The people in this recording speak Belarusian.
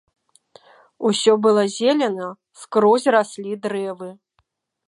Усё было зелена, скрозь раслі дрэвы.